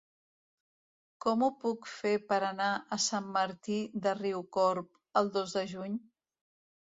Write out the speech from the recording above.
Com ho puc fer per anar a Sant Martí de Riucorb el dos de juny?